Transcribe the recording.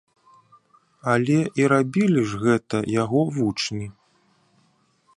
Але і рабілі ж гэта яго вучні.